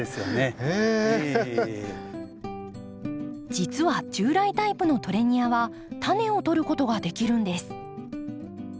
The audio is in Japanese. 実は従来タイプのトレニアは種をとることができるんです。